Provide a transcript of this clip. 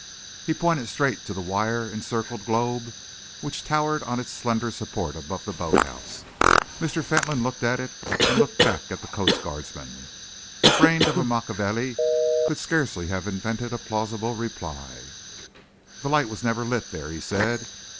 He pointed straight to the wire encircled globe which towered on its slender support above the boat house. Mr. Fentolin looked at it and looked back at the coast guardsman. The brain of a Machiavelli could scarcely have invented a plausible reply. "The light was never lit there," he said.